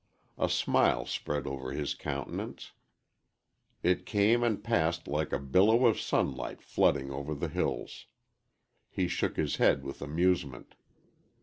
A smile spread over his countenance. It came and passed like a billow of sunlight flooding over the hills. He shook his head with amusement.